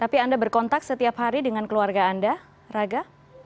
tapi anda berkontak setiap hari dengan keluarga anda raga